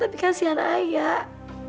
tapi kasihan ayah